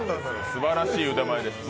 すばらしい腕前で。